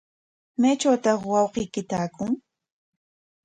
¿Maytrawtaq wawqiyki taakun?